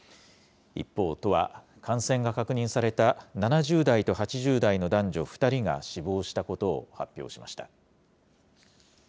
一方、都は感染が確認された７０代と８０代の男女２人が死亡したことを発表しました。